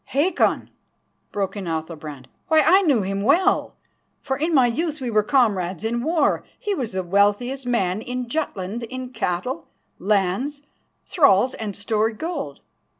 "Hakon!" broke in Athalbrand. "Why, I knew him well, for in my youth we were comrades in war. He was the wealthiest man in Jutland in cattle, lands, thralls and stored gold.